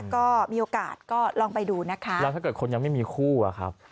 ก็มีโอกาสก็ลองไปดูนะคะแล้วถ้าเกิดคนยังไม่มีคู่อะครับ